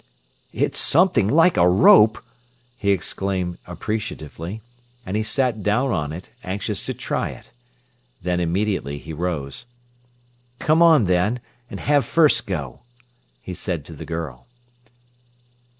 "It's something like a rope!" he exclaimed appreciatively; and he sat down on it, anxious to try it. Then immediately he rose. "Come on, then, and have first go," he said to the girl.